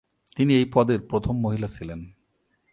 তিনি এই পদের প্রথম মহিলা ছিলেন।